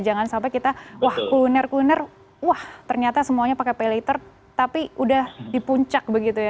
jangan sampai kita wah kuliner kuliner wah ternyata semuanya pakai pay later tapi udah di puncak begitu ya